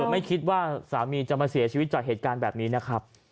ไม่คิดว่าสามีจะมาเสียชีวิตจากเหตุการณ์แบบนี้นะครับ